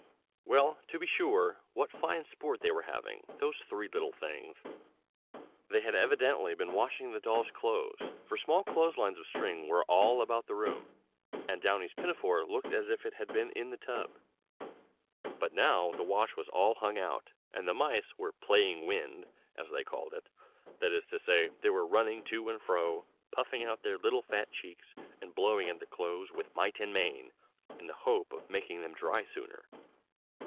Well, to be sure, what fine sport they were having, those three little things! they had evidently been washing the dolls' clothes, for small clothes lines of string were all about the room, and Downy's pinafore looked as if it had been in the tub: but now the wash was all hung out, and the mice were "playing wind," as they called it: that is to say, they were running to and fro, puffing out their little fat cheeks, and blowing at the clothes with might and main, in the hope of making them dry sooner.